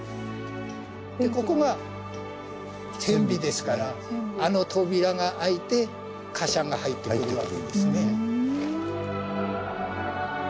ここが船尾ですからあの扉が開いて貨車が入ってくるわけですね。